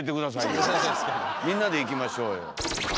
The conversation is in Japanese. みんなで行きましょうよ。